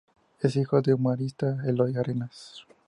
Es hijo del humorista Eloy Arenas.